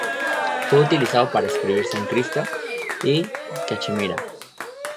Fue utilizado para escribir sánscrito y Cachemira.